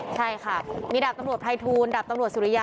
ใช่ค่ะมีดาบตำรวจภัยทูลดาบตำรวจสุริยะ